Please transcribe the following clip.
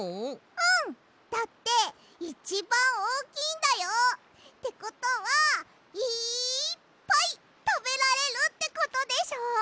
うん！だっていちばんおおきいんだよ！ってことはいっぱいたべられるってことでしょ！